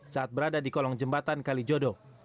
saat berada di kolong jembatan kalijodo